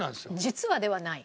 「実は」ではない。